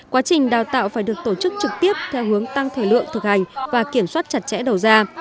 quá trình đào tạo phải được tổ chức trực tiếp theo hướng tăng thời lượng thực hành và kiểm soát chặt chẽ đầu ra